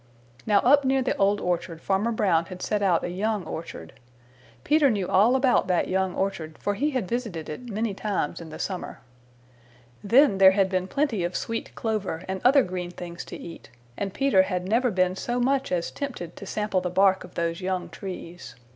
Now up near the Old Orchard Farmer Brown had set out a young orchard. Peter knew all about that young orchard, for he had visited it many times in the summer. Then there had been plenty of sweet clover and other green things to eat, and Peter had never been so much as tempted to sample the bark of those young trees.